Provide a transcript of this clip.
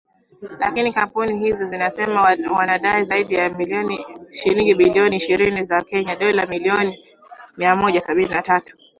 Lakini kampuni hizo zinasema wanadai zaidi ya shilingi bilioni ishirini za Kenya (dola milioni mia moja sabini na tatu )